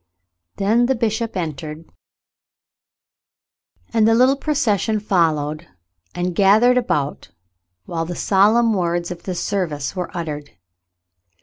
Then the bishop entered, and the little procession fol lowed, and gathered about while the solemn words of the service were uttered.